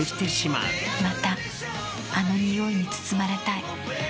また、あのにおいに包まれたい。